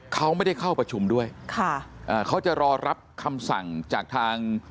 เขาไม่ได้เข้าประชุมด้วยค่ะอ่าเขาจะรอรับคำสั่งจากทาง